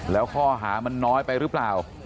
แล้วข้อหามันน้อยไปหรือเปล่า